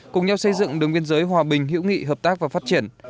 cùng nhau xây dựng đường biên giới hòa bình hữu nghị hợp tác và phát triển